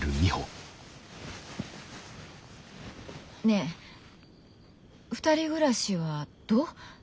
ねぇ２人暮らしはどう？